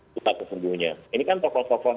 pusat kesembuhnya ini kan tokoh tokoh